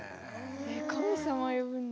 神様よぶんだ。